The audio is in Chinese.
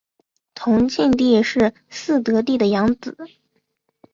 同庆帝是嗣德帝的养子。